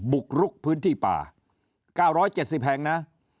บุกลุกพื้นที่ป่าเก้าร้อยเจ็ดสิบแห่งนะ